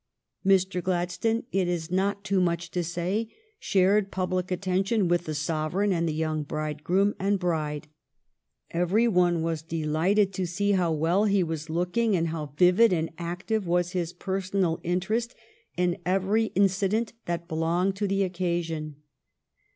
Mr. Gladstone, it is not too much to say, shared public attention with the Sovereign and the young bridegroom and bride. Everybody was delighted to see how well he was looking and how vivid and active was his personal interest in every incident that PENULTIMATE 427 belonged to the occasion.